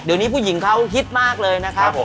เดี๋ยวนี้ผู้หญิงเขาฮิตมากเลยนะครับผม